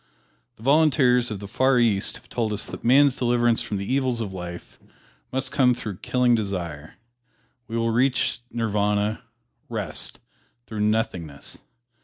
The Volunteers of the Far East have told us that man's deliverance from the evils of life must come through killing desire; we will reach Nirvana rest through nothingness.